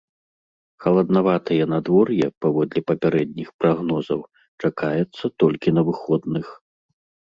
Халаднаватае надвор'е, паводле папярэдніх прагнозаў, чакаецца толькі на выходных.